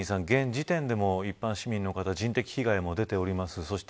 現時点でも一般市民の方人的被害も出ています。